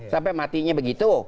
sampai matinya begitu